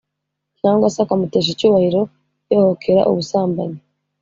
cyangwa se akamutesha icyubahiro, yohokera ubusambanyi.